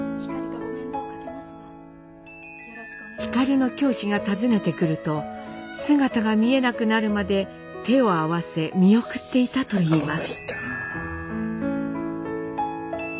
皓の教師が訪ねてくると姿が見えなくなるまで手を合わせ見送っていたといいます。